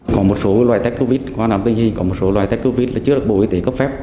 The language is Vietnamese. có một số loại test covid có một số loại test covid là chưa được bộ y tế cấp phép